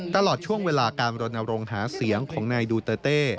ตลอดช่วงเวลาการรณรงค์หาเสียงของนายดูเตอร์เต้